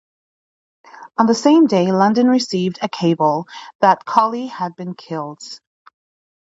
On the same day, London received a cable that Colley had been killed.